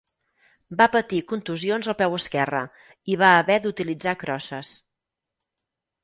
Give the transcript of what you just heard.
Va patir contusions al peu esquerre i va haver d'utilitzar crosses.